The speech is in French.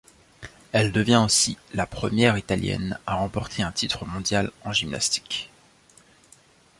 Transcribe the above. Elle devient aussi la première italienne à remporter un titre mondial en gymnastique.